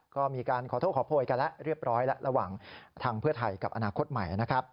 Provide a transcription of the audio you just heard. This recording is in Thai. ก็มีการขอโทษขอโพยกันแล้วเรียบร้อยแล้วระหว่างทางเพื่อไทยกับอนาคตใหม่นะครับ